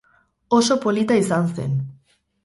Oso polita izan zen.